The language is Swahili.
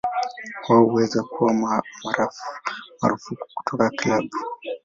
Wao huweza kuwa marufuku kutoka kilabu.